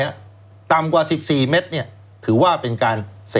ไม่นะต่ำกว่า๑๔เมตรนี่ถือว่าเป็นการเสพ